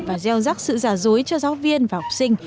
và gieo rắc sự giả dối cho giáo viên và học sinh